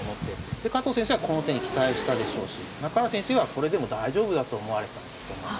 で加藤先生はこの手に期待したでしょうし中原先生はこれでも大丈夫だと思われたんだと思うんですよね。